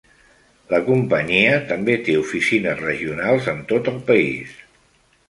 La companyia també té oficines regionals en tot el país.